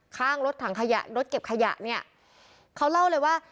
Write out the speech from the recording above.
ข้างรถถังขยะรถเก็บขยะเนี่ยเขาเล่าเลยว่า